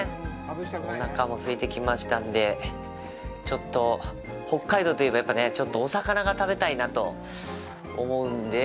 もうおなかもすいてきましたんで、ちょっと北海道といえばやっぱりねお魚が食べたいなと思うんで。